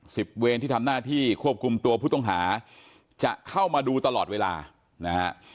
เวรที่ทำหน้าที่ควบคุมตัวผู้ต้องหาจะเข้ามาดูตลอดเวลานะฮะ